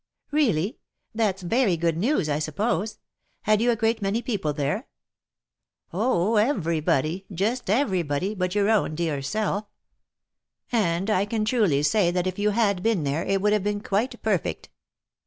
" Really ! That's very good news, I suppose. Had you a great many people there ?" "Oh! Everybody, just every body, but your own dear self; and I can truly say that if you had been there, it would have been quite perfect